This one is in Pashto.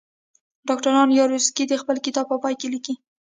ډاکټر یاورسکي د خپل کتاب په پای کې لیکي.